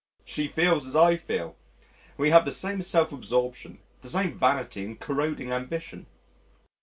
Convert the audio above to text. She feels as I feel. We have the same self absorption, the same vanity and corroding ambition.